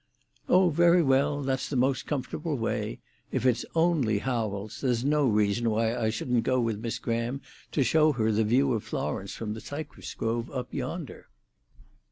"Oh, very well; that's the most comfortable way. If it's only Howells, there's no reason why I shouldn't go with Miss Graham to show her the view of Florence from the cypress grove up yonder."